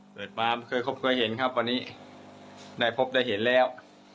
เกิดมาเคยคบเคยเห็นครับวันนี้ได้พบได้เห็นแล้ว